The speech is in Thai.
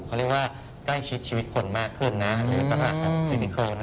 เขาเรียกว่าใกล้ชิดชีวิตคนมากขึ้นนะหรือว่าสินค้าทั้งเอง